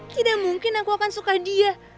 tidak mungkin aku akan suka dia